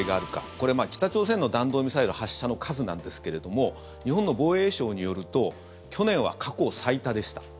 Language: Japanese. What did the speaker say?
これは北朝鮮の弾道ミサイル発射の数なんですが日本の防衛省によると去年は過去最多でした。